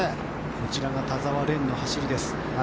こちらが田澤廉の走りです。